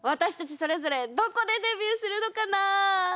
それぞれどこでデビューするのかな？